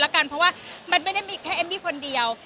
แล้วกันเพราะว่ามันไม่ได้มีแค่เอมมี่คนเดียว